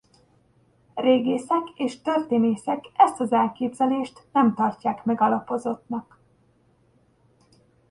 Régészek és történészek ezt az elképzelést nem tartják megalapozottnak.